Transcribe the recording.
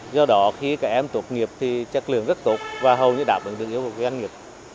do đó khi các em tốt nghiệp thì chất lượng rất tốt và hầu như đảm bảo được hiệu quả doanh nghiệp